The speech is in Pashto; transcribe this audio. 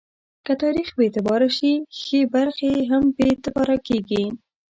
که تاریخ بې اعتباره شي، ښې برخې یې هم بې اعتباره کېږي.